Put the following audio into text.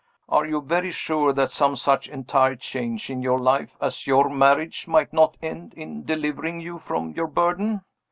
Are you very sure that some such entire change in your life as your marriage might not end in delivering you from your burden?